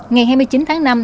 ngày hai mươi chín tháng năm